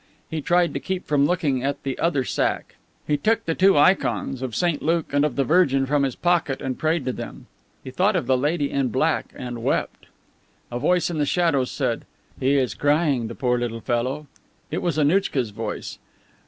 He tried to keep from looking at the other sack. He took the two ikons, of Saint Luke and of the Virgin, from his pocket and prayed to them. He thought of the Lady in Black and wept. A voice in the shadows said: "He is crying, the poor little fellow." It was Annouchka's voice.